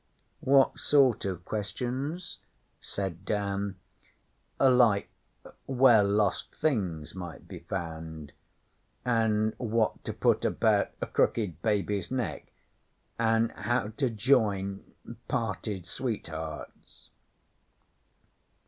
'What sort of questions?' said Dan. 'Like where lost things might be found, an' what to put about a crooked baby's neck, an' how to join parted sweethearts.